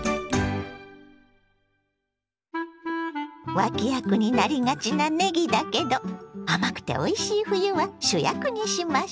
脇役になりがちなねぎだけど甘くておいしい冬は主役にしましょ！